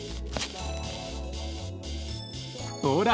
ほら。